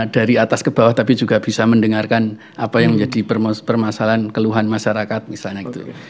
dari atas ke bawah tapi juga bisa mendengarkan apa yang menjadi permasalahan keluhan masyarakat misalnya gitu